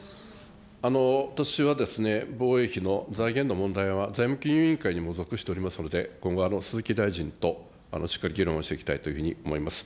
私は、防衛費の財源の問題は、財務金融委員会にも属しておりますので、今後、鈴木大臣としっかり議論をしていきたいというふうに思います。